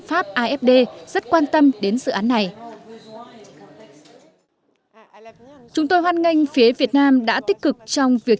pháp afd rất quan tâm đến dự án này chúng tôi hoan nghênh phía việt nam đã tích cực trong việc